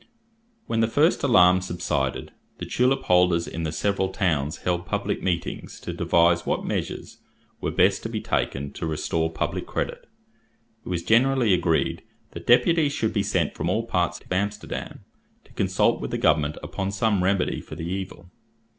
When the first alarm subsided, the tulip holders in the several towns held public meetings to devise what measures, were best to be taken to restore public credit. It was generally agreed, that deputies should be sent from all parts to Amsterdam, to consult with the government upon some remedy for the evil.